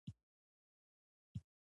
سخت اورښت او سیلاوونه راغلل.